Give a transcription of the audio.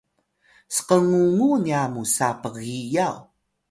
skngungu nya musa pgiyaw